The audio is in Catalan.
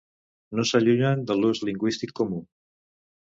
No s'allunyen de l'ús lingüístic comú.